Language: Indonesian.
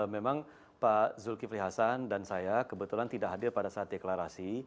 memang pak zulkifli hasan dan saya kebetulan tidak hadir pada saat deklarasi